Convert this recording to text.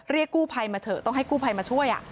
กู้ภัยมาเถอะต้องให้กู้ภัยมาช่วย